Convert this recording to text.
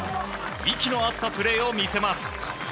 息の合ったプレーを見せます。